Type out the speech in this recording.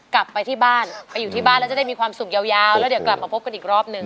กลับไปที่บ้านเห็นการกลับมาพบกันอีกรอบหนึ่ง